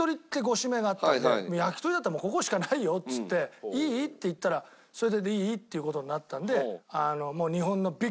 焼き鳥だったらもうここしかないよっつっていい？って言ったらそれでいいって事になったので。